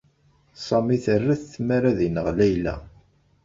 Sami terra-t tmara ad ineɣ Layla.